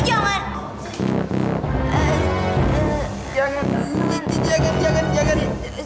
jangan jangan jangan jangan